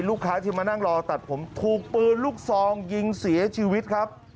ลูกค้าที่มานั่งรอตัดผมถูกปืนลูกซองยิงเสียชีวิตครับ